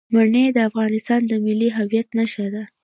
منی د افغانستان د ملي هویت نښه ده.